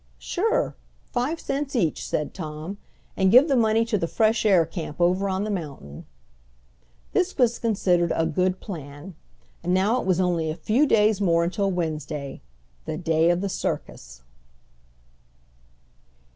"Sure five cents each," said Tom, "and give the money to the fresh air camp over on the mountain." This was considered a good plan, and now it was only a few days more until Wednesday the day of the circus!